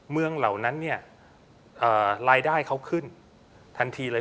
เมืองเหล่านั้นรายได้เข้าขึ้นทันทีเลย